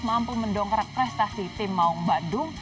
mampu mendongkrak prestasi tim maung badung